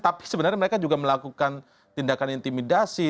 tapi sebenarnya mereka juga melakukan tindakan intimidasi